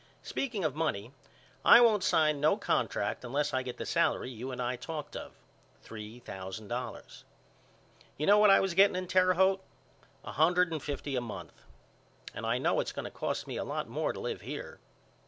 Speaking of money I won't sign no contract unless I get the salary you and I talked of, three thousand dollars. You know what I was getting in Terre Haute, a hundred and fifty a month, and I know it's going to cost me a lot more to live here.